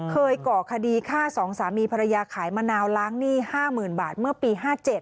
เคยก่อคดีฆ่าสองสามีภรรยาขายมะนาวล้างหนี้ห้าหมื่นบาทเมื่อปี๑๙๕๗